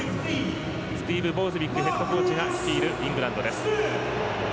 スティーブ・ボーズウィックヘッドコーチが率いるイングランドです。